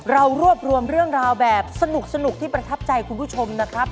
เรารวบรวมเรื่องราวแบบสนุกที่ประทับใจคุณผู้ชมนะครับ